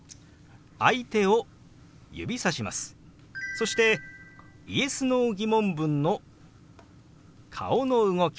そしてＹｅｓ／Ｎｏー疑問文の顔の動き